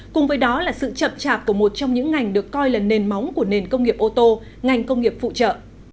cùng với đó là sự chậm chạp của một trong những ngành được coi là nền móng của nền công nghiệp ô tô ngành công nghiệp phụ trợ